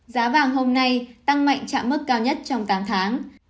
giá vàng hôm nay tăng mạnh chạm mức cao nhất trong tám tháng